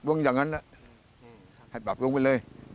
ดับร่วงอย่างนั้นให้ดับร่วงไปเลย